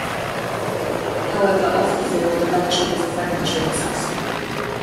However off the field the venture was a financial disaster.